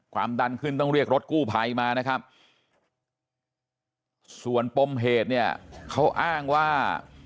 ความดันขึ้นต้องเรียกรถกู้ภัยมานะครับส่วนปมเหตุเนี่ยเขาอ้างว่า